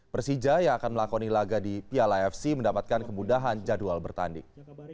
persija yang akan melakoni laga di piala fc mendapatkan kemudahan jadwal bertanding